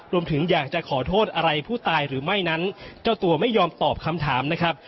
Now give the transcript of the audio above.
รวมถึงอยากจะขอโทษอะไรผู้ตายหรือไม่นั้นเจ้าตัวไม่ยอมตอบคำถามนะครับ